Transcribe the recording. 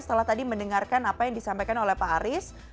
setelah tadi mendengarkan apa yang disampaikan oleh pak aris